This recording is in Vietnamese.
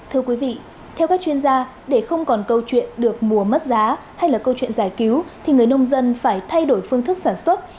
thưa quý vị theo các chuyên gia để không còn câu chuyện được mùa mất giá hay là câu chuyện giải cứu thì người nông dân phải thay đổi phương thức sản xuất